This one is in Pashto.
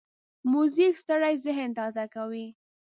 موزیک ستړی ذهن تازه کوي.